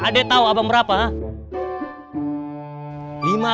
ade tau abang berapa hah